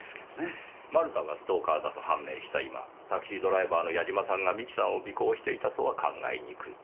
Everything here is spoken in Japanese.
丸田がストーカーだと判明した今タクシードライバーの八嶋さんが美紀さんを尾行していたとは考えにくい。